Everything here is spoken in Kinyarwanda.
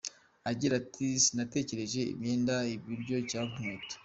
Agira ati “Sinatekereje imyenda, ibiryo cyangwa inkweto.